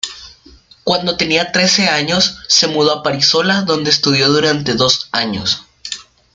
Cuando tenía trece años, se mudó a París sola, donde estudió durante dos años.